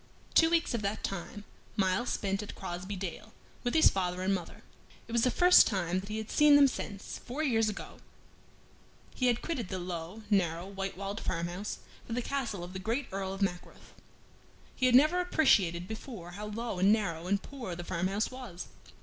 Two weeks of that time Myles spent at Crosbey Dale with his father and mother. It was the first time that he had seen them since, four years ago, he had quitted the low, narrow, white walled farmhouse for the castle of the great Earl of Mackworth. He had never appreciated before how low and narrow and poor the farm house was.